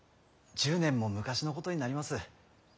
１０年も昔のことになります。